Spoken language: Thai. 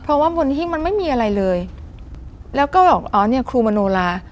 เพราะว่าบนหิ้งมันไม่มีอะไรเลยแล้วก็บอกอ๋อเนี่ยครูมโนลา